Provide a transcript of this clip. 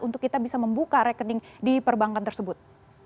untuk kita bisa membuka rekening di perbankan tersebut